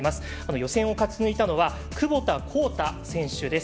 予選を勝ち抜いたのは窪田幸太選手です。